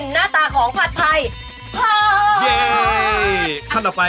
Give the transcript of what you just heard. นไม่ได้บ่เลยว่าไม่ได้มีแค่กุ้งกับโปล์